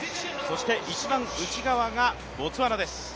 一番内側がボツワナです。